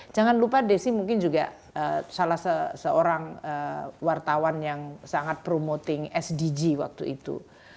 jangan lupa desi mungkin juga salah seorang wartawan yang sangat promoting sdg waktu itu